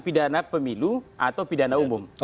pidana pemilu atau pidana umum